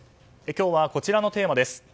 今日はこちらのテーマです。